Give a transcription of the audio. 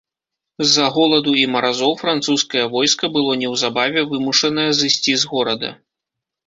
З-за голаду і маразоў французскае войска было неўзабаве вымушанае зысці з горада.